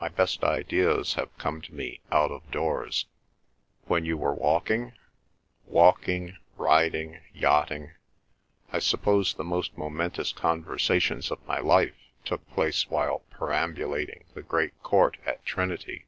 My best ideas have come to me out of doors." "When you were walking?" "Walking—riding—yachting—I suppose the most momentous conversations of my life took place while perambulating the great court at Trinity.